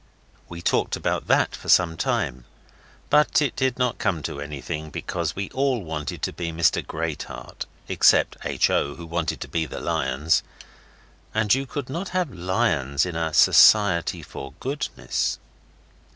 We talked about that for some time, but it did not come to anything, because we all wanted to be Mr Greatheart, except H. O., who wanted to be the lions, and you could not have lions in a Society for Goodness.